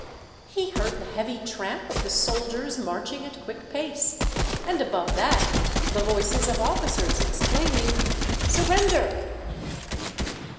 He heard the heavy tramp of the soldiers marching at quick pace, and above that the voices of officers exclaiming :" Surrender